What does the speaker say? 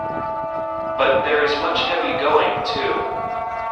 But there is much heavy going too.